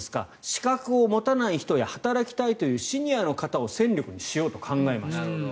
資格を持たない人や働きたいというシニアの方を戦力にしようと考えました。